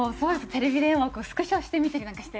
テレビ電話スクショしてみたりなんかして。